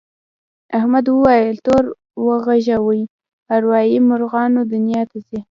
احمد وویل تور غوږو ارواوې مرغانو دنیا ته ځي.